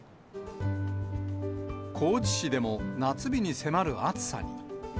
高知市でも夏日に迫る暑さに。